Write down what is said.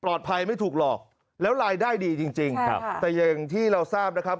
ปลอดภัยไม่ถูกหรอกแล้วรายได้ดีจริงแต่อย่างที่เราทราบนะครับ